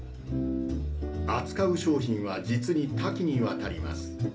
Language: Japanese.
扱う商品は実に多岐にわたります